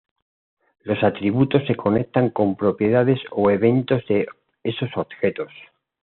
Los atributos se conectan con propiedades o eventos de esos objetos.